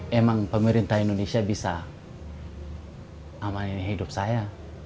memang pemerintah indonesia bisa amanin hidup saya